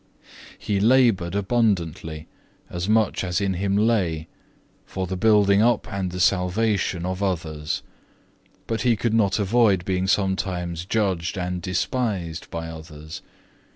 He laboured abundantly, as much as in him lay, for the building up and the salvation of others; but he could not avoid being sometimes judged and despised by others.